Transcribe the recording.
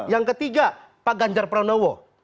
yang ketiga pak ganjar pranowo